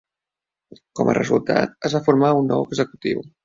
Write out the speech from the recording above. Com a resultat, es va formar un nou executiu.